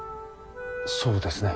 そうですね。